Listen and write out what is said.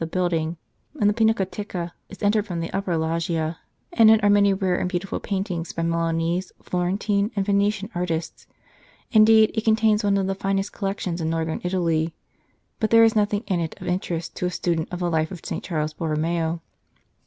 Charles Borromeo building, and the Pinacoteca is entered from the upper loggia. In it are many rare and beautiful paintings by Milanese, Florentine, and Venetian artists. Indeed, it contains one of the finest collections in Northern Italy, but there is nothing in it of interest to a student of the life of St. Charles Borromeo.